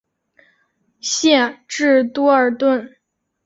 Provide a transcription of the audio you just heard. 县治多尔顿。